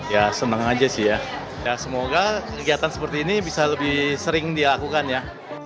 ya senang aja sih ya semoga kegiatan seperti ini bisa lebih sering dilakukan ya